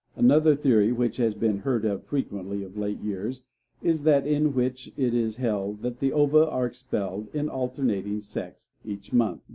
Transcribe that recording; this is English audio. Another theory which has been heard of frequently of late years is that in which it is held that the ova are expelled in alternating sex, each month.